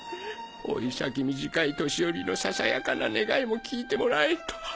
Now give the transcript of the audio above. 老い先短い年寄りのささやかな願いも聞いてもらえんとは。